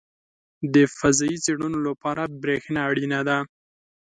• د فضایي څېړنو لپاره برېښنا اړینه ده.